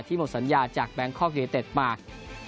ที่หมดสัญญาจากแบงค์คอร์กิเตฤตมาก